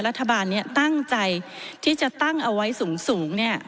รัฐบาลนี้ตั้งใจที่จะตั้งเอาไว้สูง